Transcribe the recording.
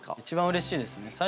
一番うれしいですね。